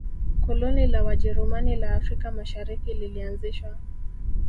koloni la wajerumani la afrika mashariki lilianzishwa